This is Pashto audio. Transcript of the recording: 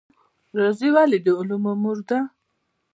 ریاضي ولې د علومو مور ده؟